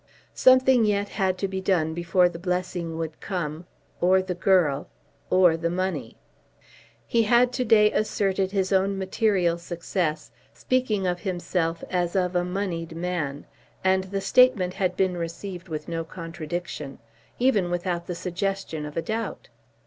Something yet had to be done before the blessing would come, or the girl, or the money. He had to day asserted his own material success, speaking of himself as of a moneyed man, and the statement had been received with no contradiction, even without the suggestion of a doubt.